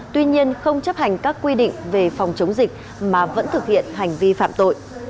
tuy nhiên không chấp hành các quy định về phòng chống dịch mà vẫn thực hiện hành vi phạm tội